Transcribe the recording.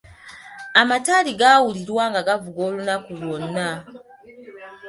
Amataali gaawulirwa nga gavuga olunaku lwonna.